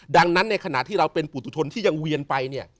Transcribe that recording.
ดังนั้นในขณะที่เราเป็นปุตุทนที่ยังเวียนไปเนี่ย